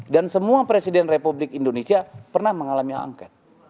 dan semua presiden republik indonesia pernah mengalami hak angket